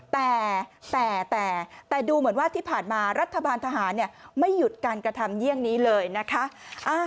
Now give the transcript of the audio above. แต่แต่ดูเหมือนว่าที่ผ่านมารัฐบาลทหารไม่หยุดการกระทำเยี่ยงนี้เลยนะคะ